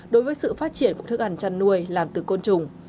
đối với sự phát triển của thức ăn chăn nuôi làm từ côn trùng